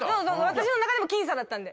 私の中でも僅差だったんで。